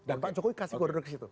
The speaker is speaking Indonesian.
dan pak jokowi kasih kode kode kesitu